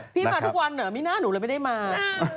พี่มาทุกวันเหรอมีหน้าหนูเลยไม่ได้มา